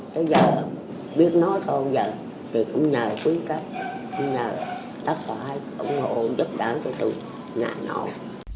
cháu giờ biết nói thôi giờ thì cũng nhờ quý khách cũng nhờ tất cả ủng hộ giúp đỡ cho tụi nhà nội